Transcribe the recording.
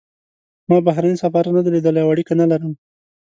ما بهرنی سفارت نه دی لیدلی او اړیکه نه لرم.